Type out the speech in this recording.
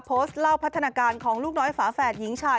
โพสต์เล่าพัฒนาการของลูกน้อยฝาแฝดหญิงชาย